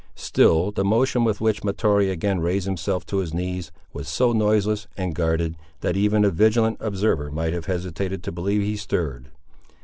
Still the motion with which Mahtoree again raised himself to his knees was so noiseless and guarded, that even a vigilant observer might have hesitated to believe he stirred.